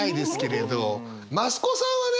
増子さんはね